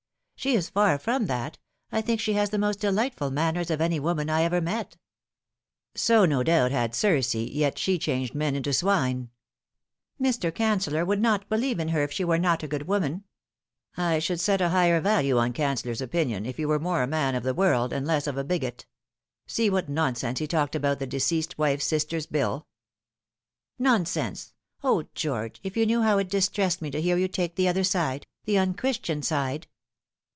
" She is far from that. I think she has the most delightful manners of any woman I ever met." " So, no doubt, had Circe, yet she changed men into swine." " Mr. Canceller would not believe in her if she were not a good woman." " I should set a higher value on Cancellor's opinion if he were more of a man of the world, and less of a bigot. See what nonsense he talked about the Deceased Wife's Sister's Bill." " Nonsense ! O, George, if you knew how it distressed me to hear you take the other side the unchristian side